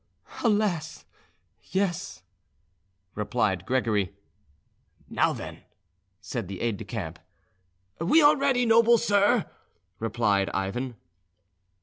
"Alas! yes," replied Gregory. "Now, then!" said the aide de camp. "We are ready, noble sir," replied Ivan.